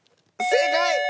正解！